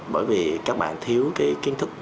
bởi vì các bạn thiếu cái kiến thức